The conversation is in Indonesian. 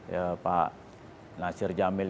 ya pak nasir jamil